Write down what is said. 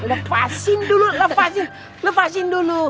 lepasin dulu lepasin dulu